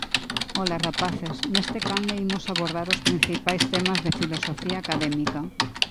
Ola rapaces, nesta canle imos abordar os principais temas de filosofía académica.